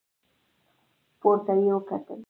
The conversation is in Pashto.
پورته يې وکتل.